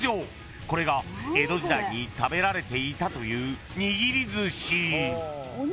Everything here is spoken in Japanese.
［これが江戸時代に食べられていたというにぎりずし］